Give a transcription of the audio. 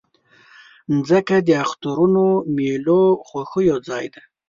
مځکه د اخترونو، میلو، خوښیو ځای ده.